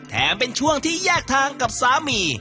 เป็นช่วงที่แยกทางกับสามี